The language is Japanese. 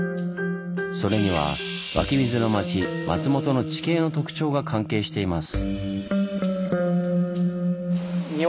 それには「湧き水の町松本」の地形の特徴が関係しています。